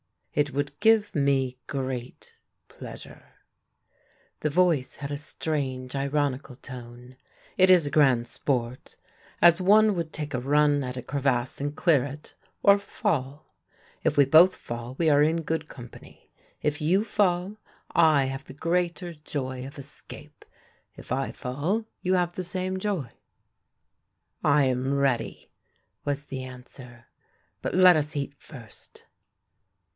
" It would give me great pleasure." The voice had a strange, ironical tone. " It is a grand sport — as one would take a run at a crevasse and clear it, or fall. If we both fall, we are in good company; if you fall, I have the greater joy of escape ; if I fall, you have the same joy." 278 THE LANE THAT HAD NO TURNING " I am ready," was the answer, " But let us eat first."